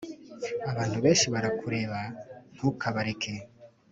abantu benshi barakureba ntukabareke